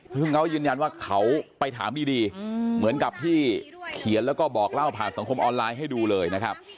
ซึ่งเขายืนยันว่าเขาไปถามดีเหมือนกับที่เขียนแล้วก็บอกเล่าผ่านสังคมออนไลน์ให้ดูเลยนะครับ